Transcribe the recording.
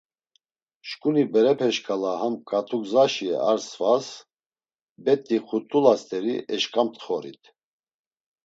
Şǩuni berepe şǩala ham ǩat̆ugzaşi ar svas bet̆i xut̆ula st̆eri eşǩamtxorit.